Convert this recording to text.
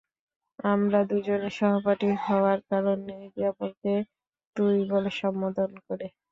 আমরা দুজনে সহপাঠী হওয়ার কারণে একে অপরকে তুই বলে সম্বোধন করি।